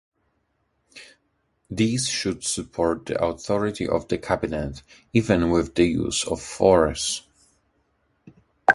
These should support the authority of the cabinet, even with the use of force.